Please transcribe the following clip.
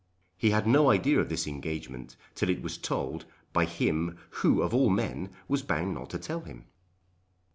He had no idea of this engagement till it was told by him who of all men was bound not to tell him."